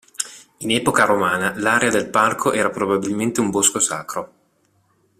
In epoca romana l'area del parco era probabilmente un bosco sacro.